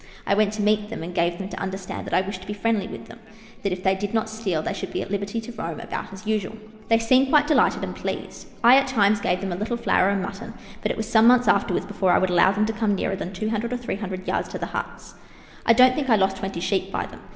I went to meet them, and gave them to under stand that I wished to be friendly with them ; that if they did not steal, they should be at liberty to roam about as usual. They seemed quite delighted and pleased. I, at times, gave them a .little flour and mutton ; but it was some months afterwards before I would allow them to come nearer than 200 or 300 yards to the huts. I don't think I lost twenty sheep by them.